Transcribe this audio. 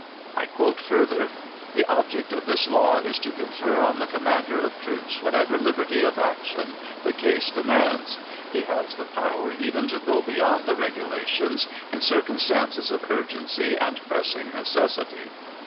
I quote further: "The object of this law is to confer on the commander of troops whatever liberty of action the case demands. He has the power even to go beyond the regulations, in circumstances of urgency and pressing necessity.